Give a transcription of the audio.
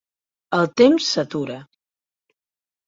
El temps s'atura.